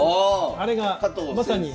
あれがまさに。